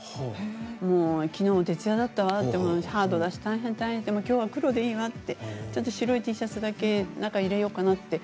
きのうも徹夜だったわってハードだし大変大変ってきょうは黒でいいわってちょっと白いＴシャツだけ中入れようかなって。